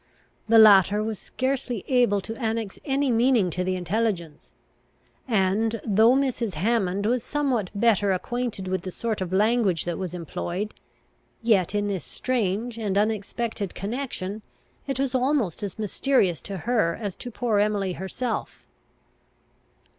The latter was scarcely able to annex any meaning to the intelligence; and, though Mrs. Hammond was somewhat better acquainted with the sort of language that was employed, yet in this strange and unexpected connection it was almost as mysterious to her as to poor Emily herself.